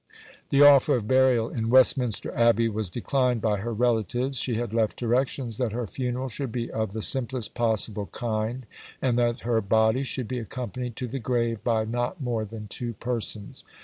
The offer of burial in Westminster Abbey was declined by her relatives. She had left directions that her funeral should be of the simplest possible kind, and that her body should be accompanied to the grave by not more than two persons.